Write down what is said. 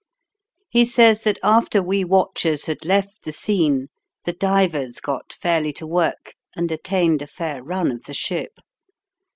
He says that after we watchers had left the scene, the divers got fairly to work and attained a fair run of the ship.